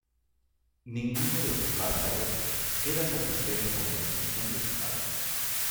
Ninguno de sus vástagos queda satisfecho con la decisión de su padre.